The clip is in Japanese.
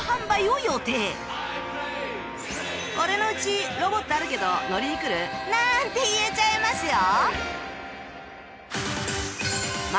俺の家ロボットあるけど乗りに来る？なんて言えちゃいますよ！